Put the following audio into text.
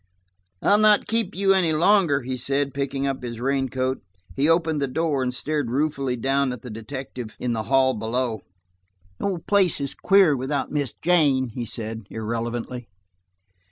"I'll not keep you up any longer," he said, picking up his raincoat. He opened the door and stared ruefully down at the detective in the hall below. "The old place is queer without Miss Jane," he said irrelevantly.